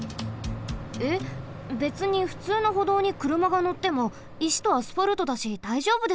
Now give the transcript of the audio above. えっべつにふつうのほどうにくるまがのってもいしとアスファルトだしだいじょうぶでしょ。